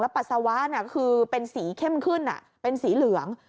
ปัสสาวะคือเป็นสีเข้มขึ้นเป็นสีเหลือง